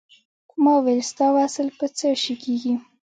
ما وویل ستا وصل په څه شی کېږي.